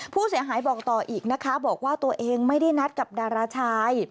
ผู้เสียหายบอกต่ออีกนะคะบอกว่าตัวเองไม่ได้นัดกับดาราชาย